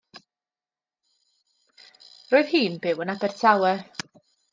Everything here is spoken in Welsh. Roedd hi'n byw yn Abertawe.